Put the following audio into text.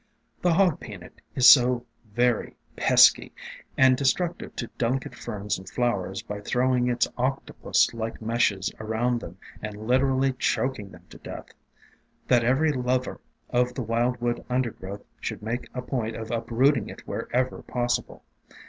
The Hog Peanut is so very "pesky" and destruc tive to delicate ferns and flowers by throwing its octopus like meshes around them and literally choking them to death, that every lover of the wildwood undergrowth should make a point of up rooting it wherever possible.